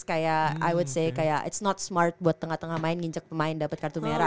kayak i would say kayak it s not smart buat tengah tengah main nginjek pemain dapet kartu merah